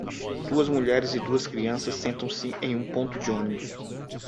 Duas mulheres e duas crianças sentam-se em um ponto de ônibus.